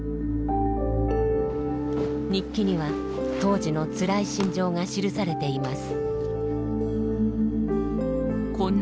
日記には当時のつらい心情が記されています。